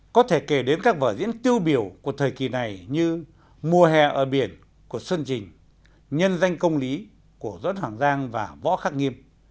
có thể kể đến các vở diễn tiêu biểu của thời kỳ này như mùa hè ở biển của xuân trình nhân danh công lý của doãn hoàng giang và võ khắc nghiêm